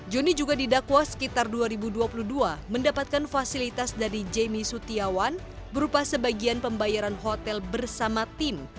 joni juga didakwa sekitar dua ribu dua puluh dua mendapatkan fasilitas dari jemmy setiawan berupa sebagian pembayaran hotel bersama tim